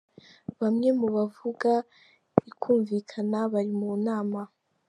Bamwe mu bavuga rikumvikana, bari mu nama.